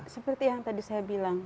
seperti yang tadi saya bilang